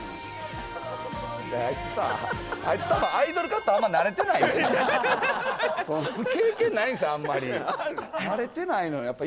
あいつさ、アイドルカット、あんま慣れてないよな。